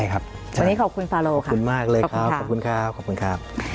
หรือไม่ทำวันนี้ขอบคุณฟาโลค่ะขอบคุณค่ะขอบคุณมากเลยครับ